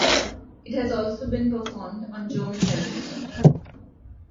It has also been performed on German television.